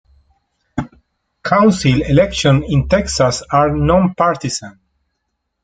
Council elections in Texas are nonpartisan.